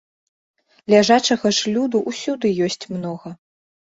Ляжачага ж люду усюды ёсць многа!